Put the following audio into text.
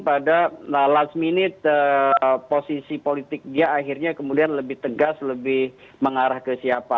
pada last minute posisi politik dia akhirnya kemudian lebih tegas lebih mengarah ke siapa